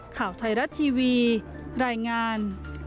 ข่าวไทยรัฐทีวีรายงาน